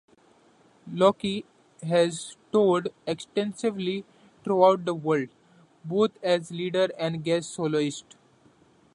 Locke has toured extensively throughout the world, both as leader and guest soloist.